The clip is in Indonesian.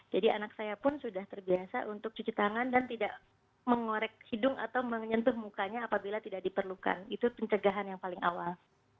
jadi anak saya pun sudah terbiasa untuk cuci tangan dan tidak mengorek hidung atau menyentuh mukanya apabila tidak diperlukan itu pencegahan yang paling awal